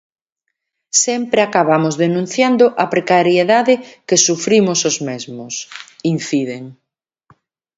"Sempre acabamos denunciando a precariedade que sufrimos os mesmos", inciden.